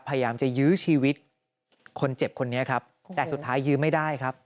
พยายามจะยื้อชีวิตคนเจ็บคนนี้ครับแต่สุดท้ายยื้อไม่ได้ครับ